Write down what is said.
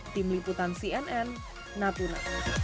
tim liputan cnn nautuna